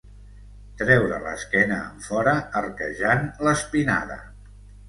Treure l'esquena enfora arquejant l'espinada.